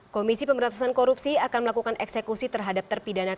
komisi pemberantasan korupsi akan melakukan eksekusi terhadap terpidana korupsi